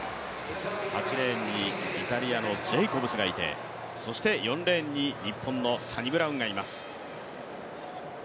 ８レーンにイタリアのジェイコブスがいて４レーンに日本のサニブラウンがいます。